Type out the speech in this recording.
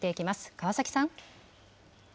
川崎さん。